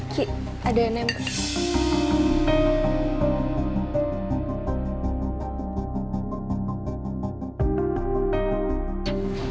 ki ada yang nempel